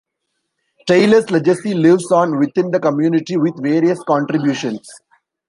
Taylor's legacy lives on within the community with various contributions.